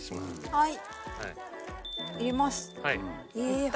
はい。